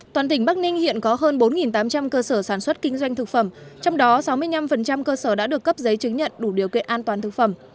toàn tỉnh bắc ninh hiện có hơn bốn tám trăm linh cơ sở sản xuất kinh doanh thực phẩm trong đó sáu mươi năm cơ sở đã được cấp giấy chứng nhận đủ điều kiện an toàn thực phẩm